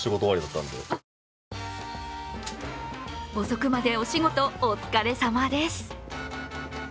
遅くまでお仕事お疲れさまです。